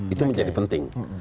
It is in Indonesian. itu menjadi penting